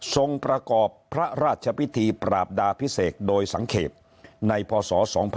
ประกอบพระราชพิธีปราบดาพิเศษโดยสังเกตในพศ๒๕๖๒